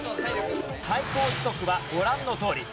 最高時速はご覧のとおり。